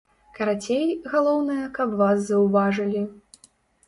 Карацей, галоўнае, каб вас заўважылі.